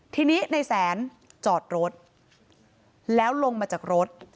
ทีนี้ในแสนจอดรถแล้วลงมาจากรถ